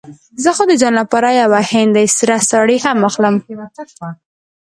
زه خو د ځان لپاره يوه هندۍ سره ساړي هم اخلم.